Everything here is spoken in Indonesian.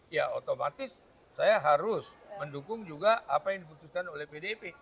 ya otomatis saya harus mendukung juga apa yang diputuskan oleh pdip